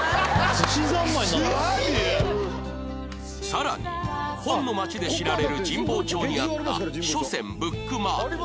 さらに本の街で知られる神保町にあった書泉ブックマートも